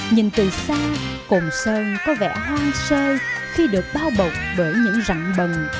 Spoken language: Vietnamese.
nhìn từ xa cồn sơn có vẻ hoang sơ khi được bao bọc bởi những rặng bần